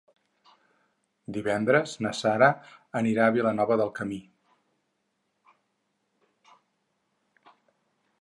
Divendres na Sara anirà a Vilanova del Camí.